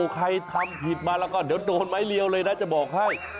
ใครทำผิดมาแล้วก็เดี๋ยวโดนไม้เรียวเลยนะจะบอกให้